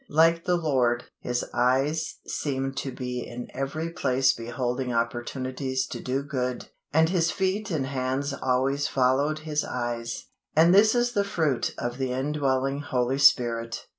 Like the Lord, his eyes seemed to be in every place beholding opportunities to do good, and his feet and hands always followed his eyes; and this is the fruit of the indwelling Holy Spirit.